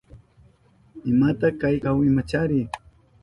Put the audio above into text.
¿Imata kayka kahu? Imachari.